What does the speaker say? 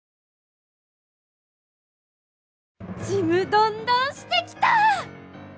ちむどんどんしてきた！